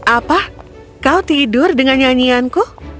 apa kau tidur dengan nyanyianku